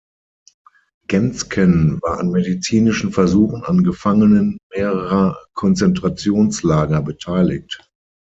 Genzken war an medizinischen Versuchen an Gefangenen mehrerer Konzentrationslager beteiligt.